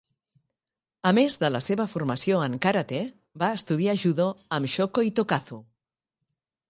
A més de la seva formació en karate, va estudiar judo amb Shoko Itokazu.